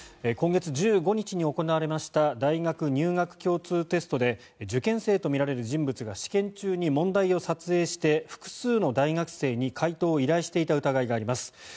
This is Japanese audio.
今月１５日に行われました大学入学共通テストで受験生とみられる人物が試験中に問題を撮影して複数の大学生に解答を依頼していた疑いがあります。